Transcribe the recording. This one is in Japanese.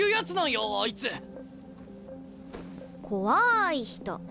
怖い人。